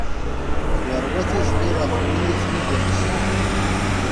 Yerwa tizli ɣef wid iten-id-iqesden.